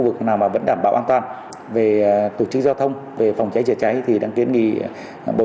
vực nào mà vẫn đảm bảo an toàn về tổ chức giao thông về phòng cháy chữa cháy thì đang kiến nghị bộ